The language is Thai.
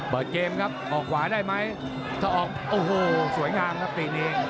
เปิดเกมครับออกขวาได้ไหมถ้าออกโอ้โหสวยงามครับปีนี้